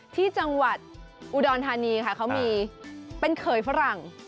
ที่จังหวัดอุดรธานีค่ะเขามีเป็นเขยฝรั่ง